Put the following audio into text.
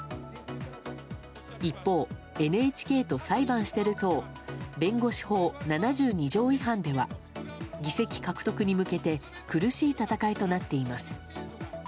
一方、ＮＨＫと裁判してる党弁護士法７２条違反では議席獲得に向けて苦しい戦いとなっています。